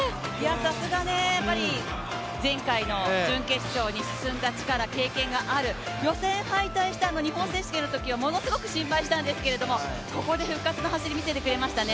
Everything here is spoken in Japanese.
さすが前回の準決勝に進んだ力、経験がある、予選敗退した日本選手権のときはものすごく心配したんですけれども、ここで復活の走り見せてくれましたね。